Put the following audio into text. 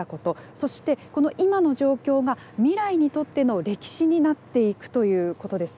そして、この今の状況が未来にとっての歴史になっていくということです。